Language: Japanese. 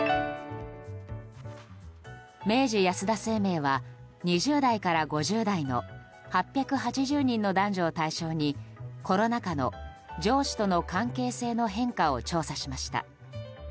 明治安田生命は２０代から５０代の８８０人の男女を対象にコロナ禍の上司との関係性の変化を調査しました。